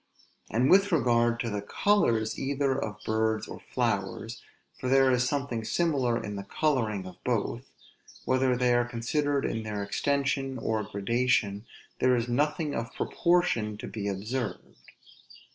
And with regard to the colors either of birds or flowers, for there is something similar in the coloring of both, whether they are considered in their extension or gradation, there is nothing of proportion to be observed.